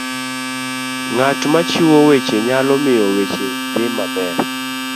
ng'at machiwo weche nyalo miyo weche dhi maber